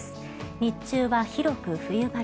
日中は広く冬晴れ。